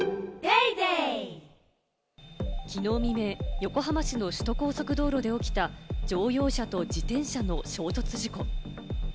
きのう未明、横浜市の首都高速道路で起きた乗用車と自転車の衝突事故。